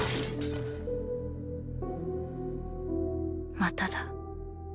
まただ。